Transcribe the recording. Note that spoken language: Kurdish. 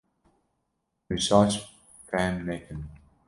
Min şaş fehm nekin